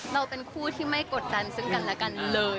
เราเป็นคู่ที่ไม่กดดันซึ่งกันและกันเลย